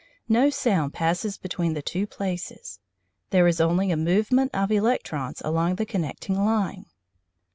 No sound passes between the two places; there is only a movement of electrons along the connecting line.